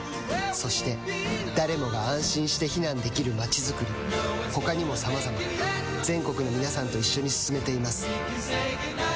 そして誰もが安心して避難できる街づくり他にもさまざま全国の皆さんと一緒に進めています